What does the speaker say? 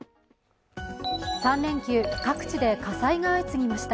３連休、各地で火災が相次ぎました。